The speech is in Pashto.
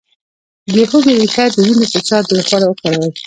د هوږې ریښه د وینې د فشار لپاره وکاروئ